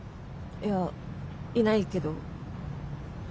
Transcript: いやいないけど。